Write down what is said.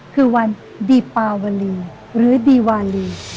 คือวันดีปาวาลีหรือดีวาลี